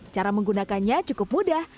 cara menggunakannya cukup mudah